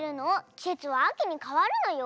きせつはあきにかわるのよ。